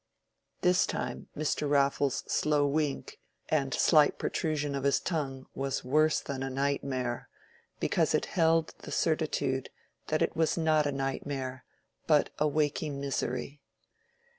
This time Mr. Raffles' slow wink and slight protrusion of his tongue was worse than a nightmare, because it held the certitude that it was not a nightmare, but a waking misery.